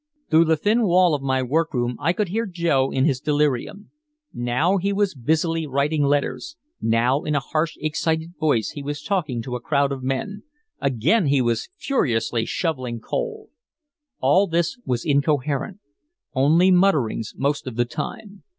Through the thin wall of my workroom I could hear Joe in his delirium. Now he was busily writing letters, now in a harsh excited voice he was talking to a crowd of men, again he was furiously shoveling coal. All this was incoherent, only mutterings most of the time.